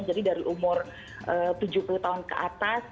jadi dari umur tujuh puluh tahun ke atas